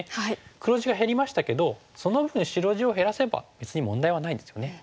黒地が減りましたけどその分白地を減らせば別に問題はないんですよね。